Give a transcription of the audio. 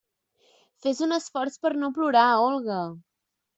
Fes un esforç per no plorar, Olga!